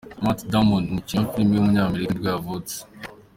Matt Damon, umukinnyi wa film w’umunyamerika nibwo yavutse.